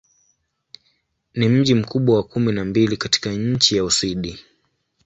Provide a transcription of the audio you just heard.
Ni mji mkubwa wa kumi na mbili katika nchi wa Uswidi.